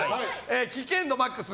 危険度ＭＡＸ